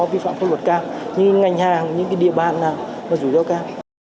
có vi phạm pháp luật cao như ngành hàng những địa bàn nào có rủi ro cao